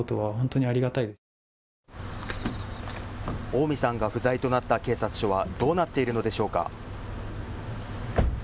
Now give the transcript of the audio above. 近江さんが不在となった警察署はどうなっているのでしょうか。